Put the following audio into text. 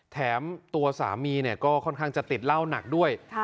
แถมตัวสามีก็ค่อนข้างจะติดเหล้าหนักด้วย